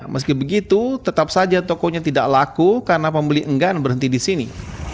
meski begitu tetap saja tokonya tidak laku karena pembeli enggan berhenti di sini